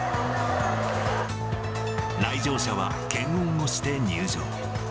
来場者は検温をして入場。